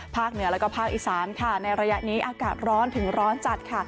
ภาคเหนือและภาคอีสานในระยะนี้อากาศร้อนถึงร้อนจัด